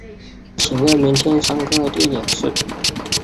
请问明天上课地点是